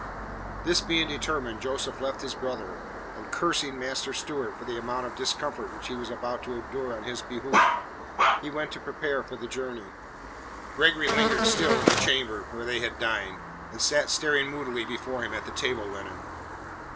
This being determined, Joseph left his brother, and cursing Master Stewart for the amount of discomfort which he was about to endure on his behoof, he went to prepare for the journey. Gregory lingered still in the chamber where they had dined, and sat staring moodily before him at the table linen.